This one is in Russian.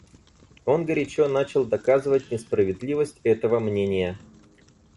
Он горячо начал доказывать несправедливость этого мнения.